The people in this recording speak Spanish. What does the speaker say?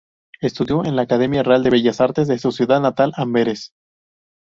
Estudió en la Academia Real de Bellas Artes de su ciudad natal, Amberes.